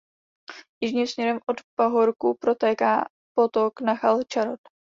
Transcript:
Jižním směrem od pahorku protéká potok Nachal Charod.